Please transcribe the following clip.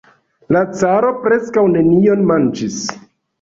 La caro preskaŭ nenion manĝis.